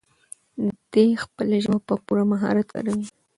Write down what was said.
دی خپله ژبه په پوره مهارت کاروي.